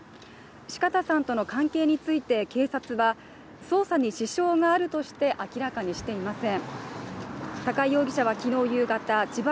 四方さんとの関係について警察は捜査に支障があるとして明らかにしていません。